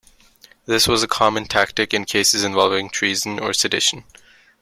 This was a common tactic in cases involving treason or sedition.